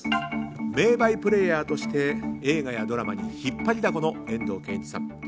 名バイプレーヤーとして映画やドラマに引っ張りだこの遠藤憲一さん。